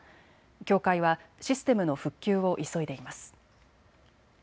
協会はシステムの復旧を急いでいます。